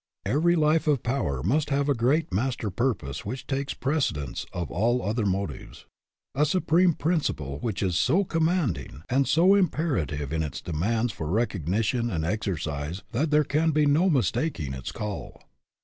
Every life of power must have a great master purpose which takes precedence of all other motives a supreme principle which is so commanding and so imperative in its de AN OVERMASTERING PURPOSE 109 mands for recognition and exercise that there can be no mistaking its call.